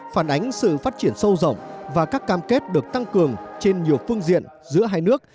phản ánh sự phát triển sâu rộng và các cam kết được tăng cường trên nhiều phương diện giữa hai nước